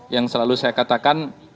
yang selalu saya katakan